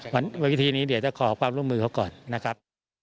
วิธีนี้เดี๋ยวจะขอความร่วมมือเขาก่อนนะครับ